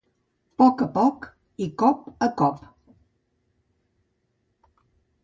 Poc a poc i cop a cop.